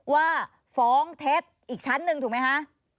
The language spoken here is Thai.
ว่าฟ้องเท็จอีกชั้นหนึ่งถูกไหมคะ